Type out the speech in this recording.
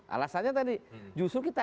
alasannya tadi justru kita